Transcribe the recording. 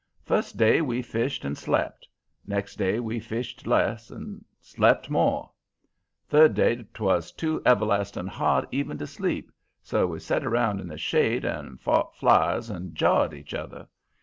First day we fished and slept. Next day we fished less and slept more. Third day 'twas too everlasting hot even to sleep, so we set round in the shade and fought flies and jawed each other.